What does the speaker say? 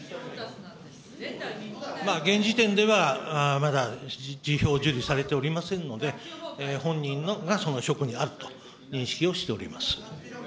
現時点ではまだ辞表を受理されておりませんので、本人がその職にあると認識をしております。